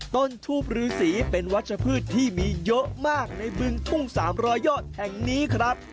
ต้นทูบฤษีเป็นวัชพฤติที่มีเยอะมากในบึงกุ้งสามรอยโยชน์แห่งนี้ครับ